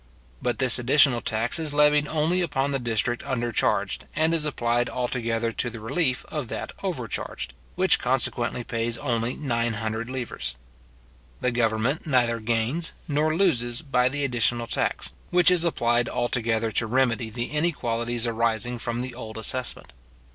But this additional tax is levied only upon the district under charged, and it is applied altogether to the relief of that overcharged, which consequently pays only nine hundred livres. The government neither gains nor loses by the additional tax, which is applied altogether to remedy the inequalities arising from the old assessment.